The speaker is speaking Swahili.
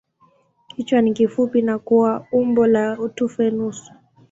Kichwa ni kifupi na kwa umbo la tufe nusu.